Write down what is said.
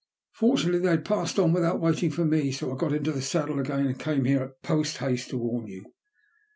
Fortunately, they had passed on without waiting for me, so I got into the saddle again and came here post haste to warn you.